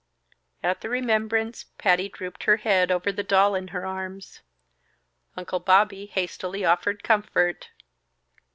At the remembrance Patty drooped her head over the doll in her arms. Uncle Bobby hastily offered comfort.